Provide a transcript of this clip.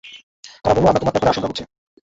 তারা বলল, আমরা তোমার ব্যাপারে আশংকা করছি।